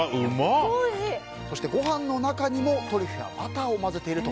そしてご飯の中にもトリュフやバターを混ぜていると。